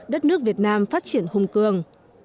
đất nước việt nam phát triển hung cường